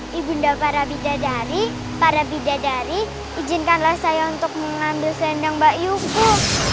bunda dewi ibu bunda para bidadari para bidadari izinkanlah saya untuk mengambil selendang bayuku